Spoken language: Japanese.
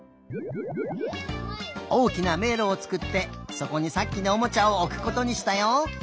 おおきなめいろをつくってそこにさっきのおもちゃをおくことにしたよ。